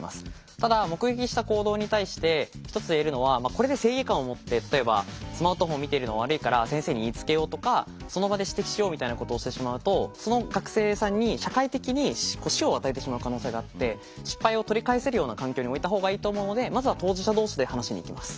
ただ目撃した行動に対して一つ言えるのはこれで正義感を持って例えばスマートフォンを見ているのは悪いから先生に言いつけようとかその場で指摘しようみたいなことをしてしまうとその学生さんに社会的に支障を与えてしまう可能性があって失敗を取り返せるような環境に置いた方がいいと思うのでまずは当事者同士で話しに行きます。